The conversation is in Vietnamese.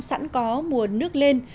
sẵn có mùa nước lên